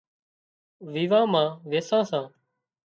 ويوان مان ويسان سان